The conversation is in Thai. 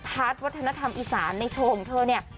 วัฒนธรรมอีสานในโชว์ของเธอเนี่ย